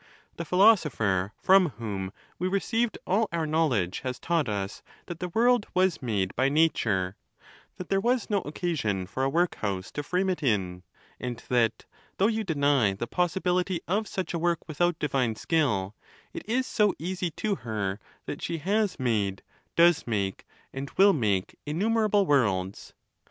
The philosopher from whom we received all our knowledge has taught us that the world was made by nature; that there was no occasion for a workhouse to frame it in ; and that, though you deny the possibility of such a work without divine skill, it is so easy to her, that she has made, does make, and will make innumerable worlds.